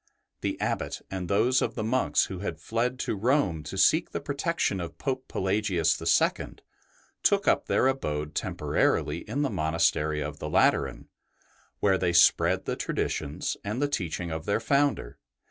The Abbot and those of the monks ST. BENEDICT 99 who had fled to Rome to seek the protection of Pope Pelagius II. took up their abode temporarily in the monastery of the Lateran, where they spread the traditions and the teaching of their Founder.